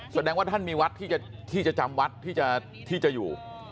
แสดงว่าท่านมีวัดที่จะจำวัดที่จะอยู่